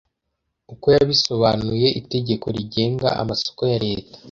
uko yabisobanuye, itegeko rigenga amasoko ya Leta